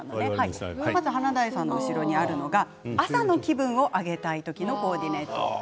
まず華大さんの後ろにあるのが朝の気分を上げたい時のコーディネート。